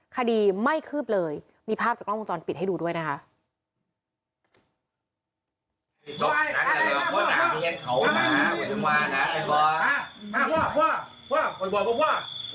คดีไม่คืบเลยมีภาพจากกล้องวงจรปิดให้ดูด้วยนะคะ